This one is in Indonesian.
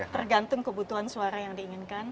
tergantung kebutuhan suara yang diinginkan